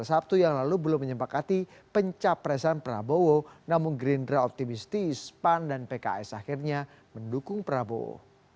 sabtu yang lalu belum menyempakati pencapresan prabowo namun gerindra optimistis pan dan pks akhirnya mendukung prabowo